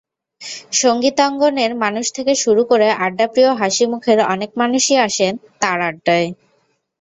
সংগীতাঙ্গনের মানুষ থেকে শুরু করে আড্ডাপ্রিয় হাসিমুখের অনেক মানুষই আসেন তাঁর আড্ডায়।